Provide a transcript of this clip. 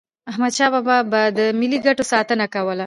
احمدشاه بابا به د ملي ګټو ساتنه کوله.